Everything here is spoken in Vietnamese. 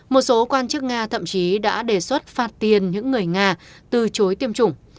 một số quan chức nga thậm chí đã đề xuất phạt tiền những người nga từ chối tiêm chủng